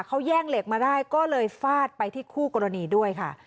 เขาแย่งเหล็กมาได้ก็เลยฟาดไปที่คู่กรณีด้วยค่ะ